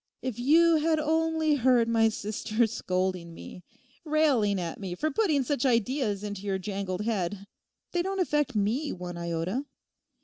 If you had only heard my sister scolding me, railing at me for putting such ideas into your jangled head! They don't affect me one iota.